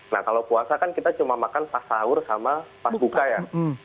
nah kalau puasa kan kita cuma makan pas sahur sama pas buka ya